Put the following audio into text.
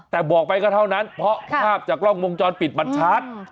แต่บอกไปก็เท่านั้นเพราะภาพจากกล้องวงจรปิดมันชัด